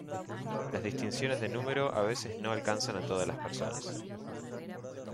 Las distinciones de número a veces no alcanzan a todas las personas.